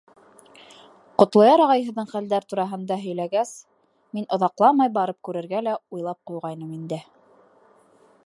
Ҡотлояр ағай һеҙҙең хәлдәр тураһында һөйләгәс, мин оҙаҡламай барып күрергә лә уйлап ҡуйғайным инде.